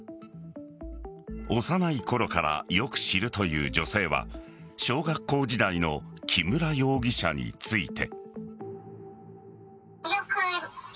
幼いころからよく知るという女性は小学校時代の木村容疑者について。